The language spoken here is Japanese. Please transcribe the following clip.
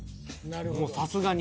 もうさすがに。